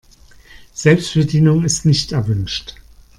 Selbstbedienung ist nicht erwünscht.